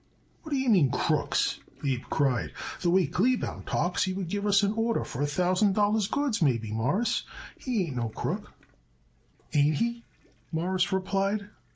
"What d'ye mean? Crooks?" Abe cried. "The way Kleebaum talks he would give us an order for a thousand dollars goods, maybe, Mawruss. He ain't no crook." "Ain't he?" Morris replied.